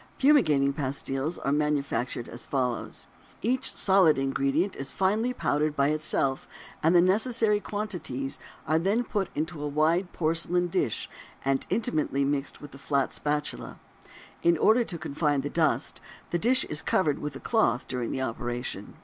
Fumigating pastils are manufactured as follows. Each solid ingredient is finely powdered by itself, and the necessary quantities are then put into a wide porcelain dish and intimately mixed with a flat spatula. In order to confine the dust, the dish is covered with a cloth during this operation.